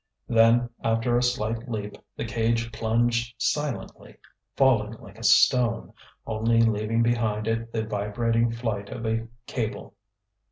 Then, after a slight leap, the cage plunged silently, falling like a stone, only leaving behind it the vibrating flight of a cable.